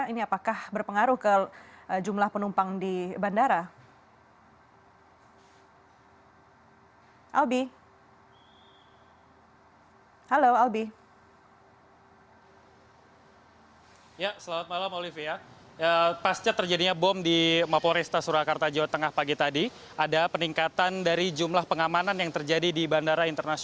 ini apakah berpengaruh ke jumlah penumpang di bandara